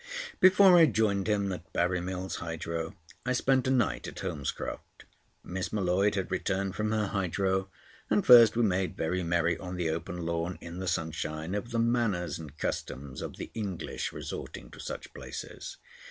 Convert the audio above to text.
Before I joined him at Burry Mills Hydro, I spent a night at Holmescroft. Miss M'Leod had returned from her Hydro, and first we made very merry on the open lawn in the sunshine over the manners and customs of the English resorting to such places.